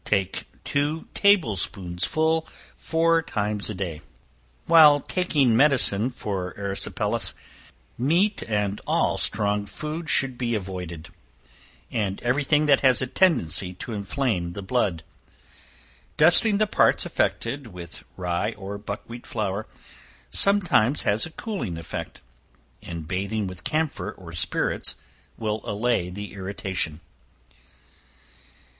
Take two table spoonsful four times a day. While taking medicine for the erysipelas, meat and all strong food should be avoided, and every thing that has a tendency to inflame the blood. Dusting the parts affected, with rye or buckwheat flour, sometimes has a cooling effect, and bathing with camphor or spirits will allay the irritation.